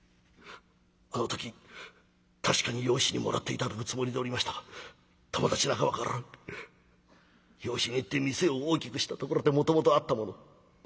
あの時確かに養子にもらって頂くつもりでおりましたが友達仲間から養子に行って店を大きくしたところでもともとあったもの。